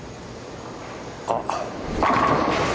あっ！